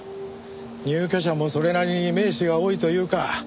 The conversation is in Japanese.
入居者もそれなりに名士が多いというか。